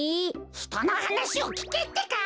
ひとのはなしをきけってか。